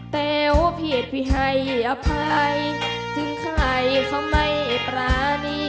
เต๋วพี่เอ็ดพี่ให้อภัยถึงใครเค้าไม่ปรานี่